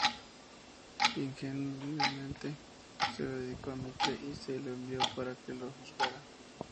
Ingenuamente, se lo dedicó a Mitre y se lo envió para que lo juzgara.